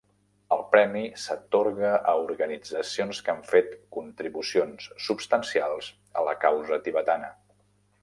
El premi s'atorga a organitzacions que han fet contribucions substancials a la causa tibetana.